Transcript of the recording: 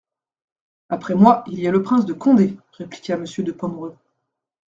Après moi, il y a le prince de Condé, répliqua Monsieur de Pomereux.